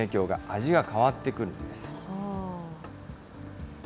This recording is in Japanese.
味が変わってくるんです。